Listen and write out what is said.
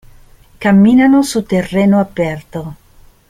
Camminano su terreno aperto.